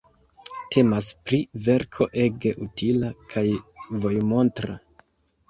Temas pri verko ege utila kaj vojmontra.